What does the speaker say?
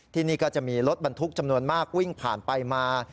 ที่นี่ก็จะมีรถบรรทุกจำนวนมากวิ่งผ่านไปมา